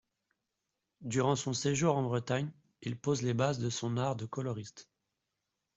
Durant son séjour en Bretagne, il pose les bases de son art de coloriste.